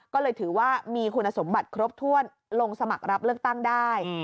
ก็เลยถือว่ามีคุณสมบัติครบถ้วนลงสมัครรับเลือกตั้งได้